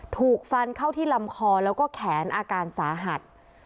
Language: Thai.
ถูกฟันเข้าที่ลำคอแล้วก็แขนอาการสาหัส